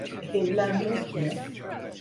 Evlenmek mi?